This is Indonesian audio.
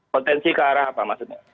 potensi kearah apa maksudnya